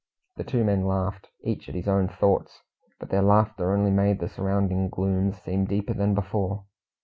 The two men laughed, each at his own thoughts, but their laughter only made the surrounding gloom seem deeper than before.